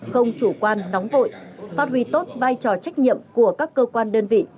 không chủ quan nóng vội phát huy tốt vai trò trách nhiệm của các cơ quan đơn vị